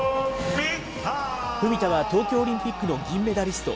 文田は東京オリンピックの銀メダリスト。